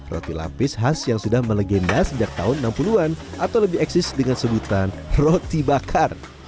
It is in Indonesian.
roti lapis khas yang sudah melegenda sejak tahun enam puluh an atau lebih eksis dengan sebutan roti bakar